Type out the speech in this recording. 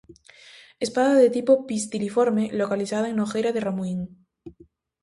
Espada de tipo pistiliforme localizada en Nogueira de Ramuín.